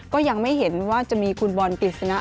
ก็ยังไม่เห็นว่าจะมีคุณบอลกฤษณะ